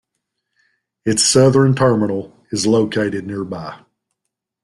Its southern terminal is located nearby.